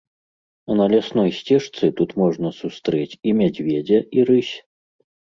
А на лясной сцежцы тут можна сустрэць і мядзведзя, і рысь.